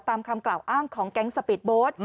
ตามคำกล่าวอ้างของแก๊งสปีดโบสต์